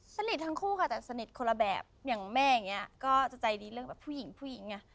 สนิททั้งคู่ค่ะแต่สนิทคนละแบบอย่างแม่อย่างนี้ก็จะใจดีเรื่องแบบผู้หญิงผู้หญิงไง